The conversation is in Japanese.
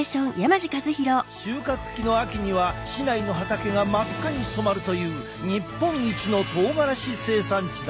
収穫期の秋には市内の畑が真っ赤に染まるという日本一のとうがらし生産地だ。